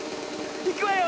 いくわよ！